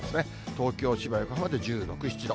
東京、千葉、横浜で１６、７度。